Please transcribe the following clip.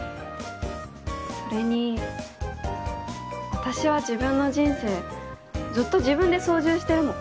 それに私は自分の人生ずっと自分で操縦してるもん。